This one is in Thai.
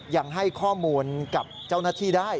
ยังให้ข้อมูลกับเจ้าหน้าที่ได้